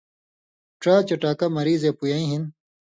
ڇا چٹاکہ مریضے پویَیں ہِن